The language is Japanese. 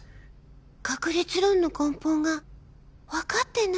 確率論の根本が分かってない